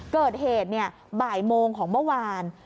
เกิดเหตุบ่ายโมงของเมื่อวาน